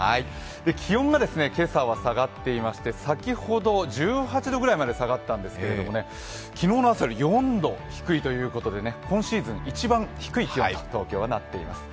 気温が今朝は下がっていまして先ほど１８度ぐらいまで下がったんですけれども昨日の朝より４度低いということで今シーズン一番低い朝となっています。